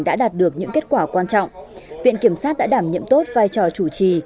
đã đạt được những kết quả quan trọng viện kiểm sát đã đảm nhiệm tốt vai trò chủ trì